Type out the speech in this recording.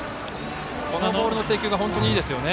このボールの制球が本当にいいですね。